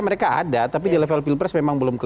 mereka ada tapi di level pilpres memang belum